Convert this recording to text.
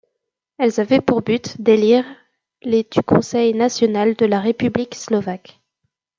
Elles avaient pour but d'élire les du Conseil national de la République slovaque.